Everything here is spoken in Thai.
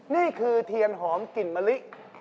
นี่คือเทียนหอมกลิ่นมะลิ